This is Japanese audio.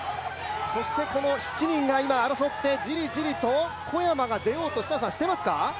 そしてこの７人が争って、じりじりと小山が出ようとしていますか？